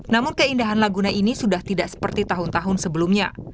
namun keindahan laguna ini sudah tidak seperti tahun tahun sebelumnya